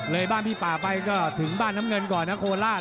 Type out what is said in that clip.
บ้านพี่ป่าไปก็ถึงบ้านน้ำเงินก่อนนะโคราช